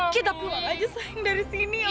kita pulang ajaramer